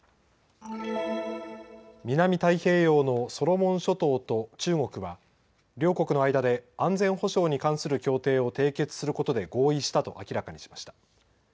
南太平洋のソロモン諸島と中国は両国の間で安全保障に関する協定を締結することで合意したと明らかにしました。